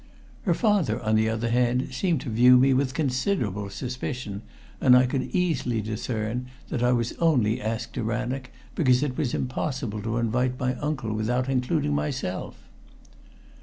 Her father, on the other hand, seemed to view me with considerable suspicion, and I could easily discern that I was only asked to Rannoch because it was impossible to invite my uncle without including myself.